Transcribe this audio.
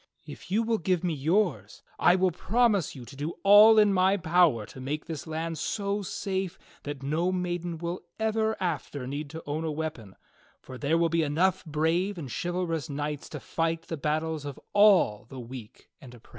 If you will give me yours I will promise you to do all in my power to make this land so safe that no maiden will ever after need to own a weapon, for there will be enough brave and chival rous knights to fight the battles of all the weak and the oppressed."